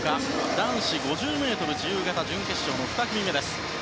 男子５０ｍ自由形準決勝の２組目です。